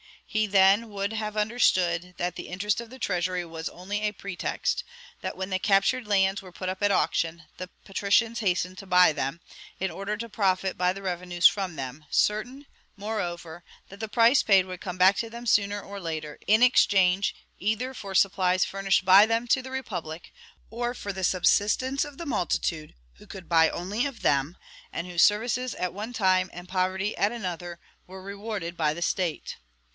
He then would have understood that the interest of the treasury was only a pretext; that, when the captured lands were put up at auction, the patricians hastened to buy them, in order to profit by the revenues from them, certain, moreover, that the price paid would come back to them sooner or later, in exchange either for supplies furnished by them to the republic, or for the subsistence of the multitude, who could buy only of them, and whose services at one time, and poverty at another, were rewarded by the State.